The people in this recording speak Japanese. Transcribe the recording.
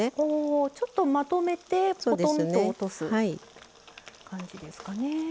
ちょっとまとめてぽとんと落とす感じですかね。